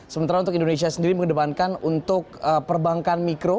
sementara untuk indonesia sendiri mengedepankan untuk perbankan mikro